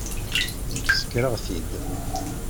Sskreɣ-t-id.